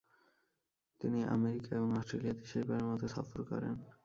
তিনি আমেরিকা এবং অস্ট্রেলিয়াতে শেষবারের মত সফর করেন।